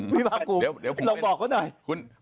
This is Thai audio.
วิภาคกรุงลองบอกเขาหน่อย